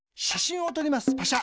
パシャ。